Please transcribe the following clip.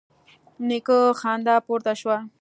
د نيکه خندا پورته شوه: